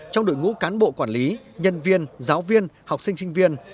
trong đội ngũ cán bộ quản lý nhân viên giáo viên học sinh sinh viên